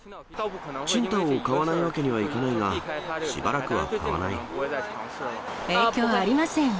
青島を買わないわけにはいか影響ありません。